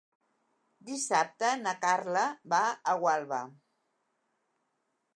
Dissabte na Carla va a Gualba.